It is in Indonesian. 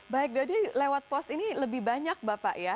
baik jadi lewat pos ini lebih banyak bapak ya